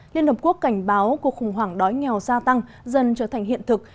liên hợp quốc cảnh báo cuộc khủng hoảng đói nghèo gia tăng dần trở thành hiện thực